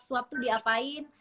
swab tuh diapain